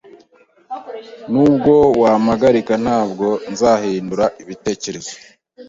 Nubwo wampagarika, ntabwo nzahindura ibitekerezo.